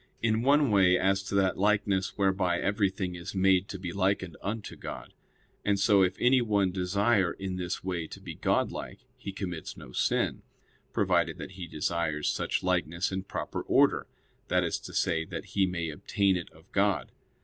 In one way, as to that likeness whereby everything is made to be likened unto God. And so, if anyone desire in this way to be Godlike, he commits no sin; provided that he desires such likeness in proper order, that is to say, that he may obtain it of God.